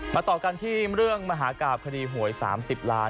ต่อกันที่เรื่องมหากราบคดีหวย๓๐ล้าน